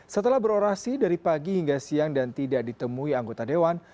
setelah berorasi dari pagi hingga siang dan tidak ditemui anggota dewan